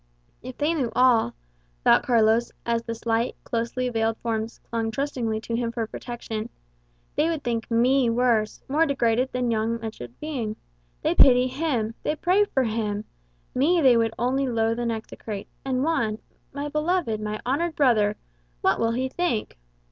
"If they knew all," thought Carlos, as the slight, closely veiled forms clung trustingly to him for protection, "they would think me worse, more degraded, than yon wretched being. They pity him, they pray for him; me they would only loathe and execrate. And Juan, my beloved, my honoured brother what will he think?"